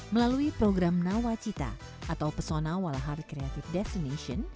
melalui program nawacita atau pesona walahar creative destination